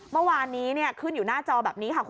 เมื่อวานนี้ขึ้นอยู่หน้าจอแบบนี้ค่ะ